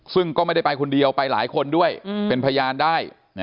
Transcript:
ซึ่งก็ไม่ได้ไปคนเดียวไปหลายคนด้วยเป็นพยานได้